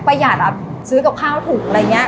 ประหยัดอะซื้อกับข้าวถุกอะไรเงี้ย